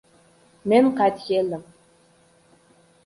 Men qaytib keldim.